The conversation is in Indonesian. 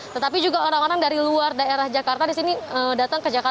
tetapi juga orang orang dari luar daerah jakarta di sini datang ke jakarta